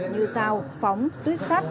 như rào phóng tuyết sắt